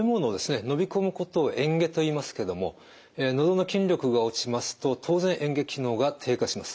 飲み込むことを嚥下といいますけどものどの筋力が落ちますと当然嚥下機能が低下します。